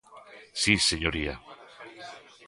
¡Si, señoría!